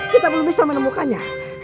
kita belum bisa menemukannya